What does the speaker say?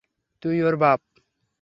তুই ওর বাপ!